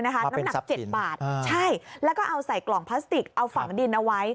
น้ำหนัก๗บาทใช่แล้วก็เอาใส่กล่องพลาสติกเอาฝังดินเอาไว้